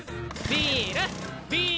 ビール！